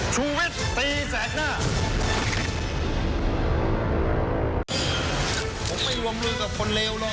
ช่วงวิทย์ตีแสดงหน้า